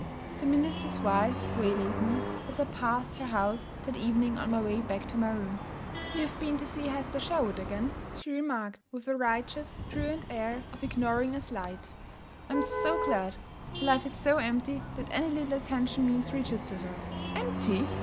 The minister's wife waylaid me, as I passed her house that evening on my way back to my room. 'You've been to see Hesper Sherwood again?' she remarked, with a righteous, tolerant air of ignoring a slight. 'I'm so glad! Her life is so empty that any little attention means riches to her.' 'Empty!'